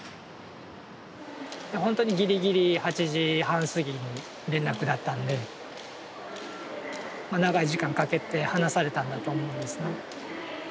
ほんとにギリギリ８時半過ぎに連絡だったんでまあ長い時間かけて話されたんだと思うんですね。